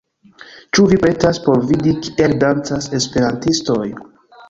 Ĉu vi pretas por vidi kiel dancas esperantistoj